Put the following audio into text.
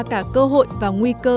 cả cơ hội và nguy cơ